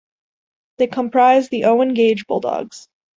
They comprise the Owen-Gage Bulldogs.